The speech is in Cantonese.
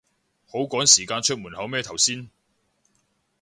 好趕時間出門口咩頭先